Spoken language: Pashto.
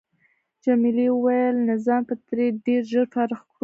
جميلې وويل: نه ځان به ترې ډېر ژر فارغ کړو.